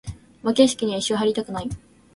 お化け屋敷には一生入りたくない。